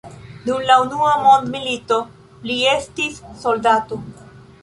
Dum la unua mondmilito li estis soldato.